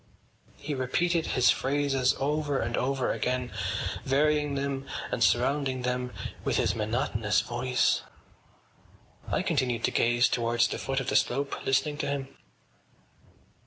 He repeated his phrases over and over again, varying them and surrounding them with his monotonous voice. I continued to gaze towards the foot of the slope, listening to him.